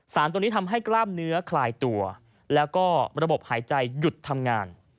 ตัวนี้ทำให้กล้ามเนื้อคลายตัวแล้วก็ระบบหายใจหยุดทำงาน